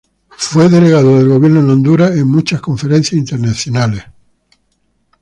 Fue nombrado delegado del gobierno de Honduras en muchas conferencias internacionales.